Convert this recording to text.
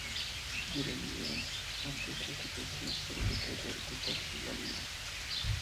Jeremías, ante esta situación solo le queda quitarse la vida.